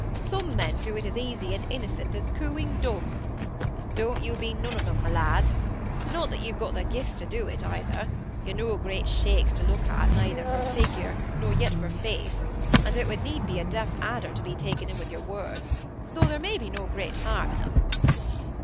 Some men do it as easy and innocent as cooing doves. Don't you be none of "em, my lad. Not that you've got the gifts to do it, either; you're no great shakes to look at, neither for figure, nor yet for face, and it would need be a deaf adder to be taken in wi' your words, though there may be no great harm in em."